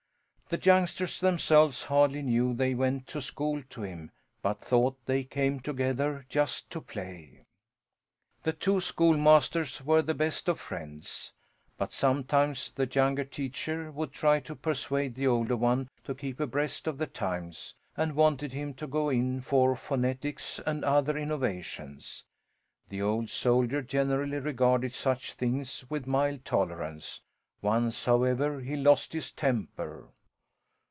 The youngsters themselves hardly knew they went to school to him, but thought they came together just to play. The two schoolmasters were the best of friends. But sometimes the younger teacher would try to persuade the older one to keep abreast of the times, and wanted him to go in for phonetics and other innovations. The old soldier generally regarded such things with mild tolerance. Once, however, he lost his temper.